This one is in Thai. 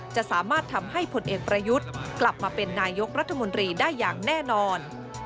จะสามารถทำให้ผลเอกประยุทธ์กลับมาเป็นนายกรัฐมนตรีได้อย่างแน่นอน